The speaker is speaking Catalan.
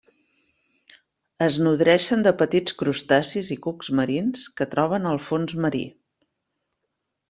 Es nodreixen de petits crustacis i cucs marins que troben al fons marí.